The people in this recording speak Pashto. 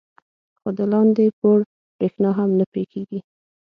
خو د لاندې پوړ برېښنا هم نه پرې کېږي.